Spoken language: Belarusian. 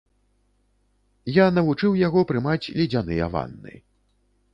Я навучыў яго прымаць ледзяныя ванны.